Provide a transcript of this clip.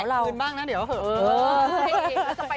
เขาแหวกกืนบ้างนะเดี๋ยวเฮ่ย